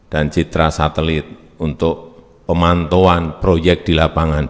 dan citra satelit untuk pemantauan proyek di lapangan